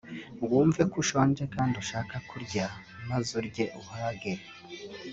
wumve ko ushonje kandi ushaka kurya maze urye uhage